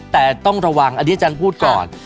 แต่ต้องระวังอันนี้อาจารย์พูดก่อน